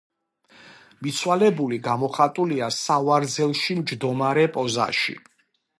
მიცვალებული გამოხატულია სავარძელში მჯდომარე პოზაში.